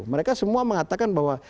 mereka semua mengatakan bahwa